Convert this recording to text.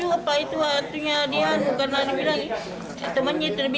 apa itu artinya dia